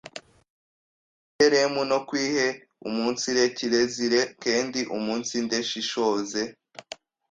i herimo no kwiheumunsire. Kirezire kendi umunsideshishoze